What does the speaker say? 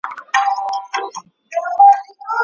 ټکنالوژیکي خنډونه هم د ودې مخه نیسي.